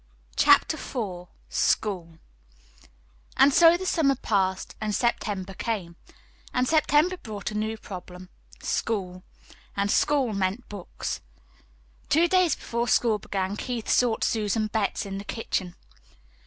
CHAPTER IV SCHOOL And so the summer passed, and September came. And September brought a new problem school. And school meant books. Two days before school began Keith sought Susan Betts in the kitchen.